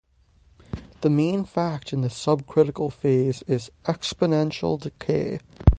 The main fact in the subcritical phase is "exponential decay".